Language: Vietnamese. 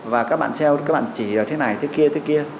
và các bạn xem các bạn chỉ thế này thế kia thế kia